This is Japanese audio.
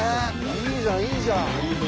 いいじゃんいいじゃん。